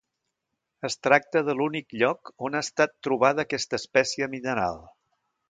Es tracta de l'únic lloc on ha estat trobada aquesta espècie mineral.